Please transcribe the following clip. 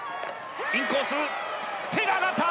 インコース、手が上がった！